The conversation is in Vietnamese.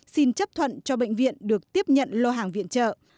xin chấp thuận cho bệnh viện được tiếp nhận lô hàng viện trợ